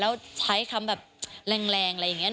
แล้วใช้คำแบบแรงอะไรอย่างนี้